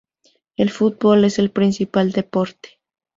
El fútbol es el principal deporte.